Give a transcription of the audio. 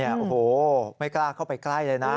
โอ้โหไม่กล้าเข้าไปใกล้เลยนะ